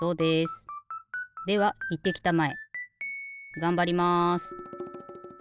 がんばります！